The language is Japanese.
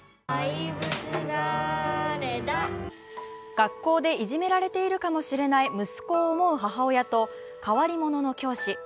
学校でいじめられているかもしれない息子を思う母親と変わり者の教師。